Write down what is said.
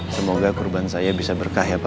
semoga kurban saya bisa berkah